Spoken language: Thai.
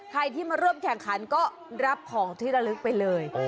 ใครที่มาร่วมแข่งขันก็รับของที่ระลึกไปเลย